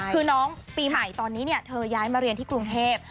คือน้องปีใหม่ตอนนี้เธอย้ายมาเรียนที่กรุงเทพ